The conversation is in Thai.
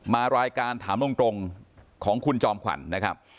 มารายการถามตรงของคุณจอมขวัญนะครับ